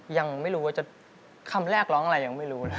ยังไม่รู้ว่าจะคำแรกร้องอะไรยังไม่รู้นะ